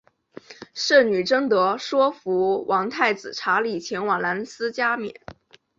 圣女贞德说服王太子查理前往兰斯加冕。